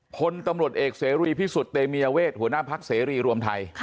พลตำรวจเอกเสรีพิสุทธิ์เตมียเวทหัวหน้าพักเสรีรวมไทย